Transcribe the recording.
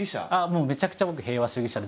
もうめちゃくちゃ僕平和主義者で。